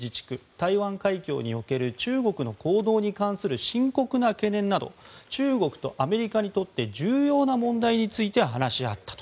台湾海峡における中国の行動に関する深刻な懸念など中国とアメリカにとって重要な問題について話し合ったと。